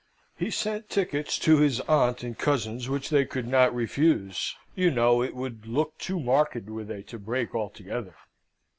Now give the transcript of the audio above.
He sent tickets to his aunt and cousins which they could not refuse, you know; it would look too marked were they to break altogether.